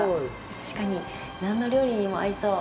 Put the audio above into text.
確かに、何の料理にも合いそう。